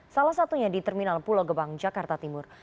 salah satunya di terminal pulau gebang jakarta timur